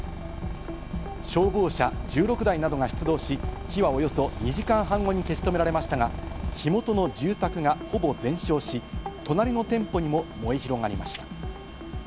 消防車１６台などが出動し、火はおよそ２時間半後に消し止められましたが、火元の住宅がほぼ全焼し、隣の店舗に燃え広がりました。